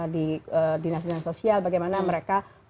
di dinas dan sosial bagaimana mereka melakukan itu